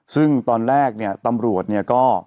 ซึ่งตอนแรกเนี่ยตำรวจเนี่ยก็